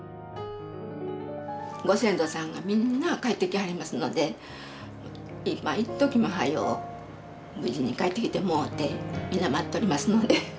ご先祖さんがみんな帰ってきはりますので一時も早う無事に帰ってきてもろうてみんな待っとりますので。